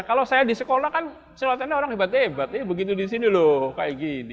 kalau saya di sekolah kan selatannya orang hebat hebat ya begitu di sini loh kayak gini